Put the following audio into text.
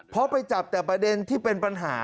เพราะไปจับแต่ประเด็นที่เป็นปัญหา